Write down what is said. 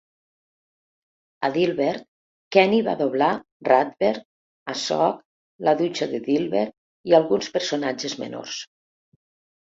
A "Dilbert", Kenny va doblar Ratbert, Asok, la dutxa de Dilbert i alguns personatges menors.